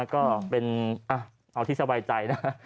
ก็เป็นเอาที่สบายใจนะ